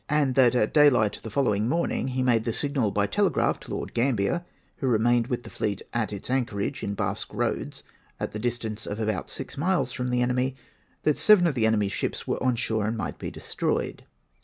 and tliat at daylight the following morning he made the signal by telegraph to Lord Gambler (who remained with the fleet at its anchorage in Bas(|ue Roads, at the distance of about six miles from the enemy) that seven of the enemy's ships were on shore and might be destroyed.